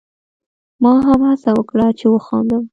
ما هم هڅه وکړه چې وخاندم.